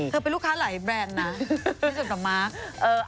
เธอเป็นลูกค้าหลายแบรนด์น่ะมีเชิญตามมาร์ค